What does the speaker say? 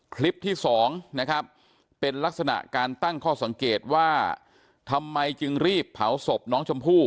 คลิปที่สองนะครับเป็นลักษณะการตั้งข้อสังเกตว่าทำไมจึงรีบเผาศพน้องชมพู่